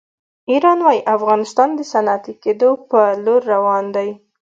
ایران وایي افغانستان د صنعتي کېدو په لور روان دی.